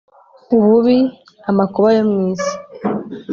Ububi amakuba yo mu isi